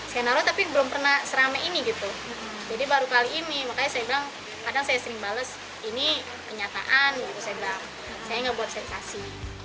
saya naruh tapi belum pernah seramai ini gitu jadi baru kali ini makanya saya bilang kadang saya sering bales ini kenyataan gitu saya bilang saya nggak buat sensasi